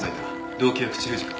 動機は口封じか？